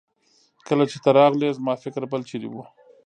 کله چې ته راغلې زما فکر بل چيرې وه.